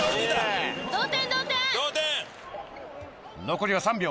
残りは３秒。